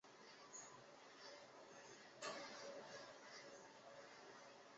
细胞潜能是指一个细胞可以分化为其他种细胞的能力。